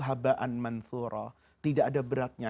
habaan manfullah tidak ada beratnya